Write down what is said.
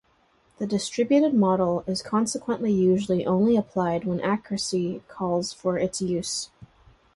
The distributed model is consequently usually only applied when accuracy calls for its use.